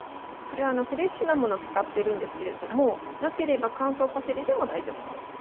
フレッシュなものを使っているんですがなければ乾燥パセリでも大丈夫です。